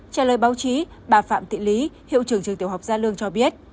trả lời báo chí bà phạm thị lý hiệu trưởng trường tiểu học gia lương cho biết